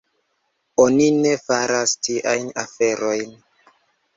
Oni ne faras tiajn aferojn.